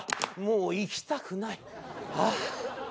もう行きたくないはぁ。